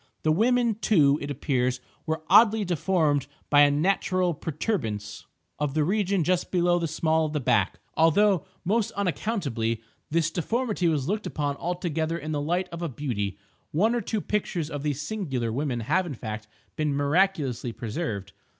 The women, too, it appears, were oddly deformed by a natural protuberance of the region just below the small of the back—although, most unaccountably, this deformity was looked upon altogether in the light of a beauty. One or two pictures of these singular women have in fact, been miraculously preserved.